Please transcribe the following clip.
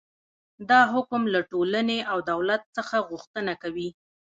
دا حکم له ټولنې او دولت څخه غوښتنه کوي.